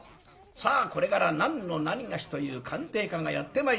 さあこれから何のなにがしという鑑定家がやって参ります。